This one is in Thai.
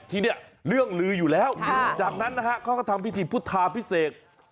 ที่เนี่ยเรื่องลืออยู่แล้วจากนั้นนะฮะเขาก็ทำพิธีพุทธาพิเศษ